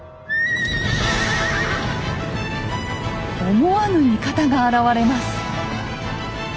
思わぬ味方が現れます。